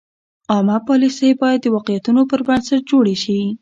عامه پالیسۍ باید د واقعیتونو پر بنسټ جوړې شي.